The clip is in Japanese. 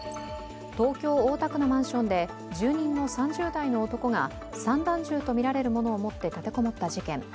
東京・大田区のマンションで住人の３０代の男が散弾銃とみられるものを持って立て籠もった事件。